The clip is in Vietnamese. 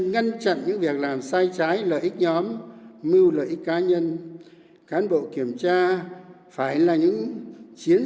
ngăn chặn những việc làm sai trái lợi ích nhóm mưu lợi ích cá nhân cán bộ kiểm tra phải là những chiến